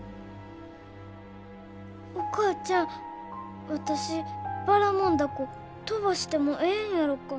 お母ちゃん私ばらもん凧飛ばしてもええんやろか？